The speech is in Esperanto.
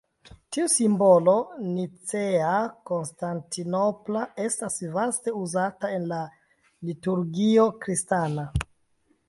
Tiu simbolo nicea-konstantinopola estas vaste uzata en la liturgio kristana.